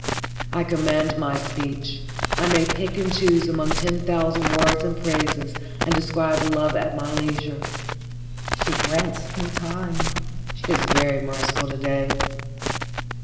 I command my speech, I may pick and choose among ten thousand words and phrases, and describe love at my leisure. She grants me time; she is very merciful to day.